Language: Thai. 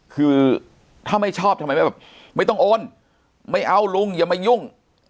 คือถ้าไม่ชอบทำไมไม่แบบไม่ต้องโอนไม่เอาลุงอย่ามายุ่ง